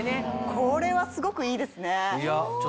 これはすごくいいですね。